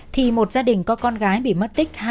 thì một gia đình có con gái bị mất tích